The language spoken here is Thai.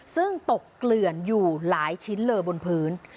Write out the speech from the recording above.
ซึ่งตกเกลื่อนอยู่หลายชิ้นเลยบนพื้น